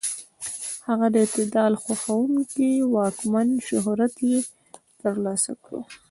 هغه د اعتدال خوښونکي واکمن شهرت یې تر لاسه کړ.